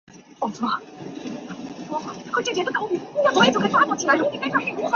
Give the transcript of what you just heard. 泰辛格是德国巴伐利亚州的一个市镇。